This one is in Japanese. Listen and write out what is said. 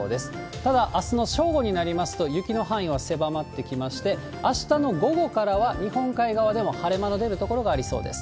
ただ、あすの正午になりますと、雪の範囲は狭まってきまして、あしたの午後からは日本海側でも晴れ間が出る所がありそうです。